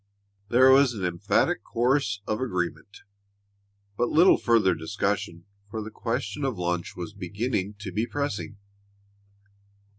There was an emphatic chorus of agreement, but little further discussion, for the question of lunch was beginning to be pressing.